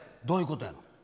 どういうことやの？